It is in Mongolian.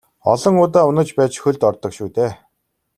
Олон удаа унаж байж хөлд ордог шүү дээ.